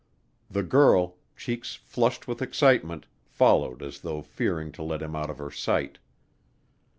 The girl, cheeks flushed with excitement, followed as though fearing to let him out of her sight.